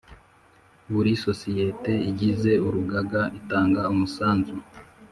Buri sosiyete igize urugaga itanga umusanzu